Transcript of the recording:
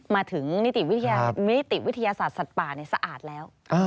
มาถึงนิติวิทยาศาสตร์สัตว์ป่าสะอาดแล้ว